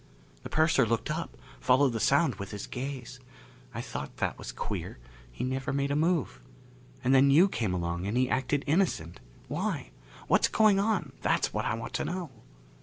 The purser looked up, followed the sound with his gaze. I thought that was queer. He never made a move. And then you came along and he acted innocent. Why? What's going on, that's what I want to know?"